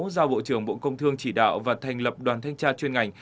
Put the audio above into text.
giao bộ trưởng bộ công thương chỉ đạo và thành lập đoàn thanh tra chuyên ngành